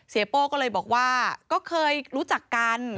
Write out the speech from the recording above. โป้ก็เลยบอกว่าก็เคยรู้จักกัน